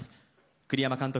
栗山監督